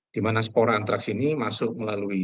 di mana spora antraks ini masuk melalui